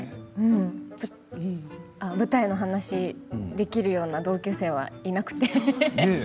舞台の話をできるような同級生はいなくて。